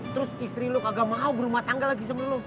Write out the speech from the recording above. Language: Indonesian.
terus istri lu kagak mau berumah tangga lagi sebelum lo